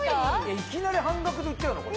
いきなり半額で売っちゃうの？